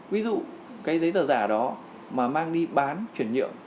ví dụ cái giấy tờ giả đó mà mang đi bán chuyển nhượng